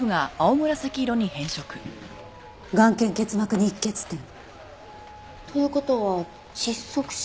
眼瞼結膜に溢血点。という事は窒息死？